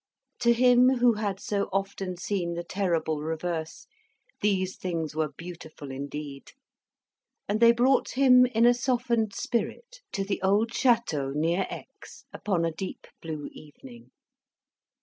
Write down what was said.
To him who had so often seen the terrible reverse, these things were beautiful indeed; and they brought him in a softened spirit to the old chateau near Aix upon a deep blue evening.